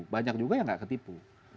banyak juga yang nggak ketipu